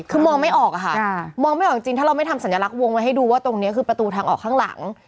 คือมองไม่ออกอะค่ะมองไม่ออกจริงถ้าเราไม่ทำสัญลักษณ์วงไว้ให้ดูว่าตรงนี้คือประตูทางออกข้างหลัง